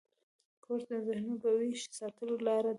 کورس د ذهنو ویښ ساتلو لاره ده.